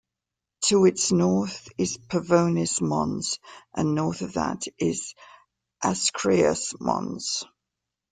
To its north is Pavonis Mons, and north of that is Ascraeus Mons.